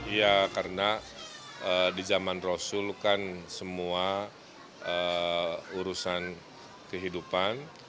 iya karena di zaman rasul kan semua urusan kehidupan